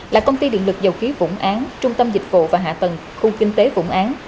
là công ty điện lực dầu khí vũng án trung tâm dịch vụ và hạ tầng khu kinh tế vũng án